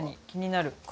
気になる。